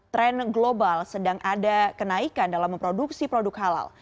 tren global sedang ada kenaikan dalam memproduksi produk halal